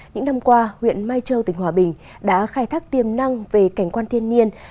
những năm qua huyện mai châu tỉnh hòa bình đã khai thác tiềm năng về cảnh quan thiên nhiên